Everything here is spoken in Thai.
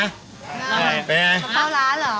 ไปไหน